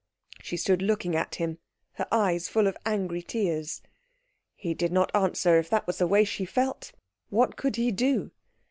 She stood looking at him, her eyes full of angry tears. He did not answer. If that was the way she felt, what could he do?